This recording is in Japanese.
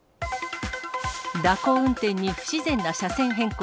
蛇行運転に不自然な車線変更。